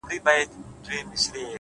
هره ورځ د ښه کېدو فرصت دی’